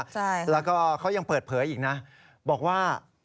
ใช่ค่ะเพิดเผยอีกนะบอกว่า